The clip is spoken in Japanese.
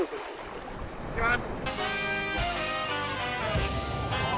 いきます！